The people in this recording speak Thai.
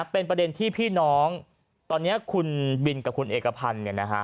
เป็นประเด็นที่พี่น้องตอนนี้คุณบินกับคุณเอกพันธ์เนี่ยนะฮะ